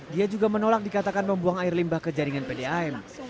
dia juga menolak dikatakan membuang air limbah ke jaringan pdam